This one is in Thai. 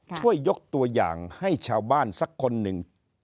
ช่วยยกตัวอย่างให้ชาวบ้านสักคนหนึ่ง